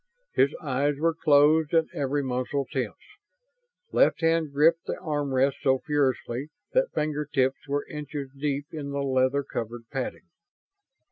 His eyes were closed and every muscle tense. Left hand gripped the arm rest so fiercely that fingertips were inches deep in the leather covered padding.